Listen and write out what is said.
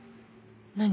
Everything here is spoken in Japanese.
何？